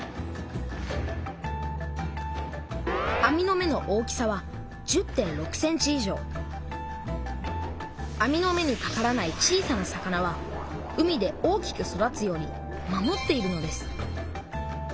網の目の大きさは網の目にかからない小さな魚は海で大きく育つように守っているのです。